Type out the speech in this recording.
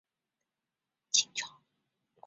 清朝雍正二年升格为直隶州。